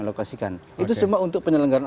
alokasikan itu semua untuk penyelenggaran